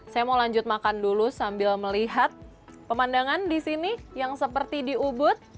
saya mau lanjut makan dulu sambil melihat pemandangan di sini yang seperti di ubud